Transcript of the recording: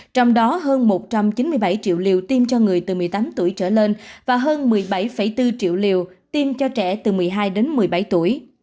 trong đó hơn một trăm chín mươi bảy triệu liều tiêm cho người từ một mươi tám tuổi trở lên và hơn một mươi bảy bốn triệu liều tiêm cho trẻ từ một mươi hai đến một mươi bảy tuổi